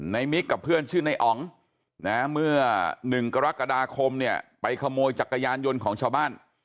มิกกับเพื่อนชื่อในอ๋องนะเมื่อ๑กรกฎาคมเนี่ยไปขโมยจักรยานยนต์ของชาวบ้าน